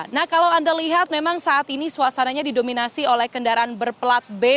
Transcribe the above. nah kalau anda lihat memang saat ini suasananya didominasi oleh kendaraan berplat b